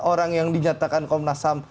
orang yang dinyatakan komnas ham